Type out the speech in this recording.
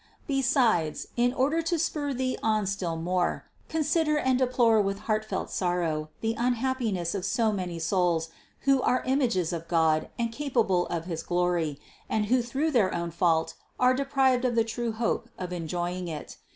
515. Besides, in order to spur thee on still more, con sider and deplore with heartfelt sorrow the unhappiness of so many souls who are images of God and capable of his glory, and who through their own fault are deprived of the true hope of enjoying it.